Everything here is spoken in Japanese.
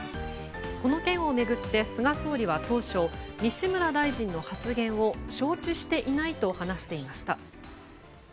この件を巡って菅総理は当初西村大臣の発言を承知していないと話していました。